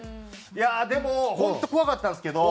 いやあでも本当怖かったんですけど